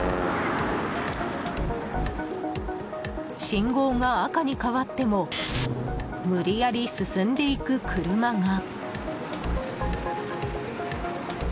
信号が赤に変わっても無理やり進んでいく車が。